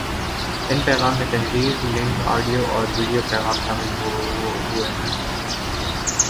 ان پیغام میں تحریر ، لنک ، آڈیو اور ویڈیو پیغام شامل ہو ہیں